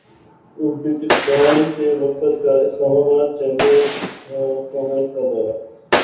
Uzbekistan کے وفد کا اسلام باد چیمبر کامرس کا دورہ